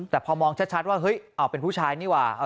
แต่พอมองชัดว่าเฮ้ยเอาเป็นผู้ชายนี่หว่า